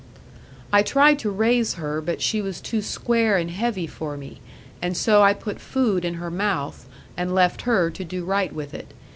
'I tried to raise her, but she was too square and heavy for me; and so I put food in her mouth, and left her to do right with it.